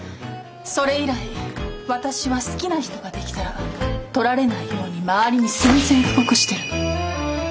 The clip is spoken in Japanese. それ以来私は好きな人ができたら取れられないように周りに宣戦布告してるの。